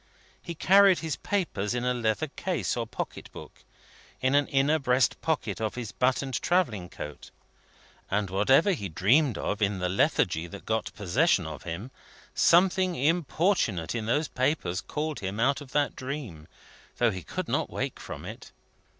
He carried his papers in a leather case or pocket book, in an inner breast pocket of his buttoned travelling coat; and whatever he dreamed of, in the lethargy that got possession of him, something importunate in those papers called him out of that dream, though he could not wake from it.